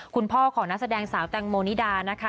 คุณพ่อของนักแสดงสาวแตงโมนิดานะคะ